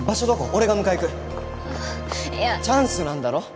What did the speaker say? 俺が迎えに行くいやチャンスなんだろ？